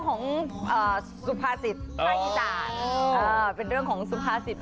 มอลำคลายเสียงมาแล้วมอลำคลายเสียงมาแล้ว